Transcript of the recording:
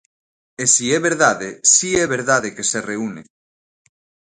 E si é verdade, si é verdade que se reúne.